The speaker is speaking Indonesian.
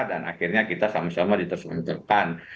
dan akhirnya kita sama sama diteruskan